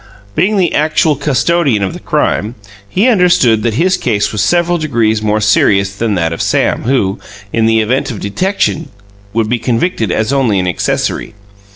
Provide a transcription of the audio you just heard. Being the actual custodian of the crime, he understood that his case was several degrees more serious than that of Sam, who, in the event of detection, would be convicted as only an accessory.